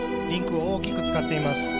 リンクを大きく使っています。